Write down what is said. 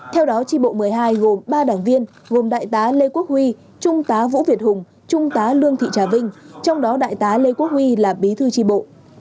theo đó tri bộ một mươi hai gồm ba đảng viên gồm đại tá lê quốc huy trung tá vũ việt hùng trung tá lương thị trà vinh trong đó đại tá lê quốc huy là bí thư tri bộ